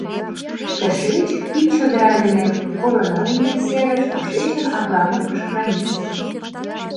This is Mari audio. «Тышеч — пич чодыра дене Поронай эҥер серыш, тушечын Абрамовкыш, границыш...»